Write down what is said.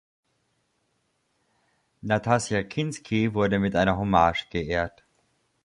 Nastassja Kinski wurde mit einer Hommage geehrt.